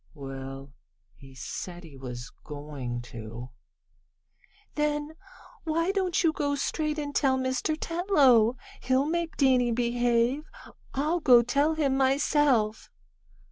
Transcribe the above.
"Well, he said he was going to." "Then why don't you go straight and tell Mr. Tetlow? He'll make Danny behave. I'll go tell him myself!"